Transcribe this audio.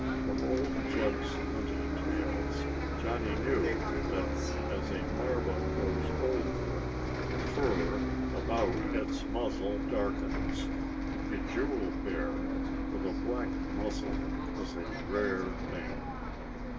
From old Jeb's hunting tales Johnny knew that as a marva grows older the fur about its muzzle darkens. A jewel bear with a black muzzle was a rare thing.